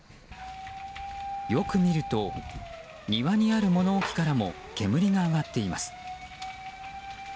よく見ると、庭にある物置からも煙が上がっています。